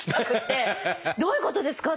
どういうことですか？